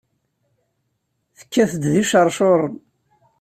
Tekkat-d d iceṛcuren.